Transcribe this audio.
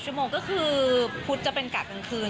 ชั่วโมงก็คือพุธจะเป็นกะกลางคืน